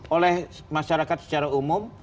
oleh masyarakat secara umum